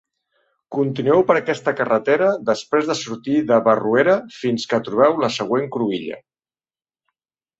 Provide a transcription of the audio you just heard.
Continueu per aquesta carretera després de sortir de Barruera fins que trobeu la següent cruïlla.